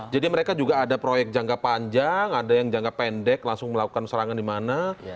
jadi mereka juga ada proyek jangka panjang ada yang jangka pendek langsung melakukan serangan di mana